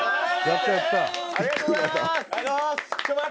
「ありがとうございます」